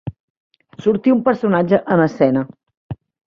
Sortir un personatge en escena.